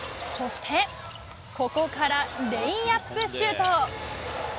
そしてここからレイアップシュート。